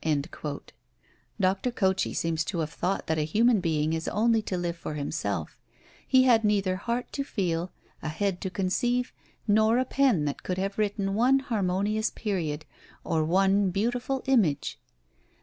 Dr. Cocchi seems to have thought that a human being is only to live for himself; he had neither heart to feel, a head to conceive, nor a pen that could have written one harmonious period, or one beautiful image!